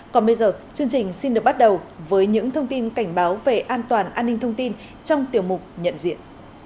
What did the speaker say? còn bây giờ chương trình xin được bắt đầu với những thông tin cảnh báo về an toàn an ninh thông tin trong tiểu mục nhận diện